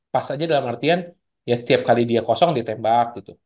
pas aja dalam artian ya setiap kali dia kosong ditembak gitu